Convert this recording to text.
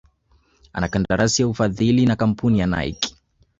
ana kandarasi ya ufadhili na kamapuni ya Nike